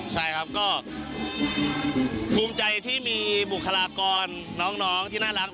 ใช่ครับก็ภูมิใจที่มีบุคลากรน้องที่น่ารัก